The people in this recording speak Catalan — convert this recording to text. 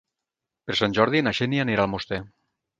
Per Sant Jordi na Xènia anirà a Almoster.